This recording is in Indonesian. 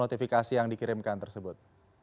notifikasi yang dikirimkan tersebut